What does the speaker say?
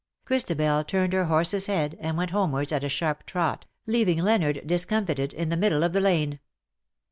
'' Christabel turned her horse's head, and went homewards at a sharp trot, leaving Leonard, discom fited, in the middle of the lane.